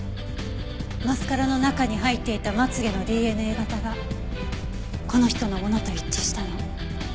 マスカラの中に入っていたまつ毛のＤＮＡ型がこの人のものと一致したの。